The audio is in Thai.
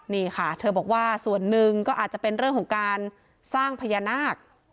นี่ค่ะเธอบอกว่าส่วนหนึ่งก็อาจจะเป็นเรื่องของการสร้างพญานาค